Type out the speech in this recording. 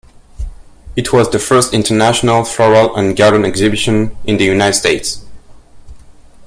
It was the first International Floral and Garden Exhibition in the United States.